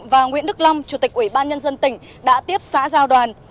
và nguyễn đức long chủ tịch ủy ban nhân dân tỉnh đã tiếp xã giao đoàn